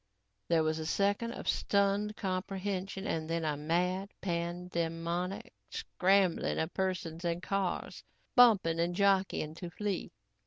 There was a second of stunned comprehension and then a mad, pan demonic scrambling of persons and cars, bumping and jockeying to flee.